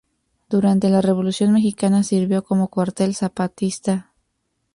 Durante la Revolución Mexicana sirvió como cuartel zapatista.